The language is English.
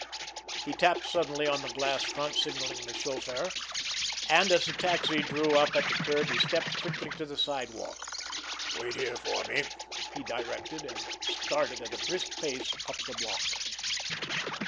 He tapped suddenly on the glass front, signalling the chauffeur; and, as the taxi drew up at the curb, he stepped quickly to the sidewalk. "Wait for me here," he directed, and started at a brisk pace up the block.